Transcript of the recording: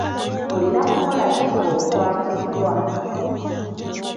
Olina kukola ki ng'okwatiddwa?